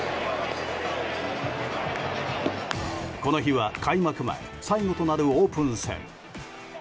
この日は開幕前、最後となるオープン戦。